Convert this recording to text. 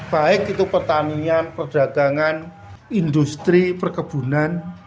baik itu pertanian perdagangan industri perkebunan